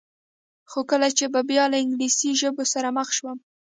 خو کله چې به بیا له انګلیسي ژبو سره مخ شوم.